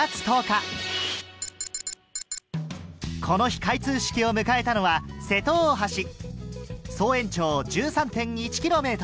この日開通式を迎えたのは瀬戸大橋